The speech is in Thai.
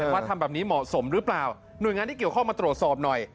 ว่าทำแบบนี้เหมาะสมหรือเปล่าหน่วยงานที่เกี่ยวข้องมาตรวจสอบหน่อย